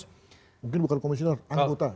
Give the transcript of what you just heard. mungkin bukan komisioner anggota